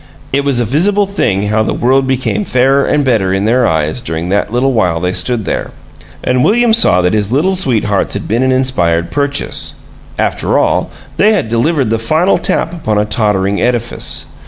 It was a visible thing how the world became fairer and better in their eyes during that little while they stood there. And William saw that his Little Sweethearts had been an inspired purchase, after all; they had delivered the final tap upon a tottering edifice.